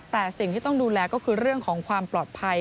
แต่สิ่งที่ต้องดูแลก็คือเรื่องของความปลอดภัย